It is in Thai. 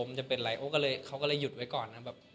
มันจะเป็นไรโอ๊คก็เลยหยุดไว้ก่อน